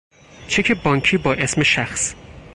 چک بانکی با اسم شخص